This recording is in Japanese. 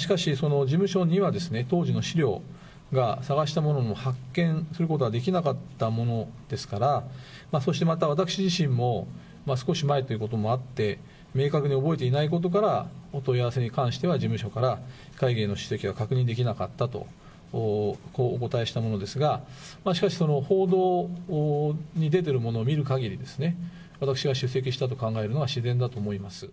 しかし、事務所には当時の資料が、探したものの発見することはできなかったものですから、そしてまた私自身も、少し前ということもあって、明確に覚えていないことから、お問い合わせに関しては、事務所から会議への出席は確認できなかったと、こうお答えしたものですが、しかし、報道に出てるものを見るかぎり、私が出席したと考えるのは自然だと思います。